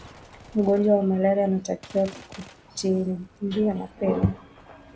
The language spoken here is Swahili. mgonjwa wa malaria anatakiwa kutibiwa mapema